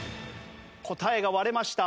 答えが割れました。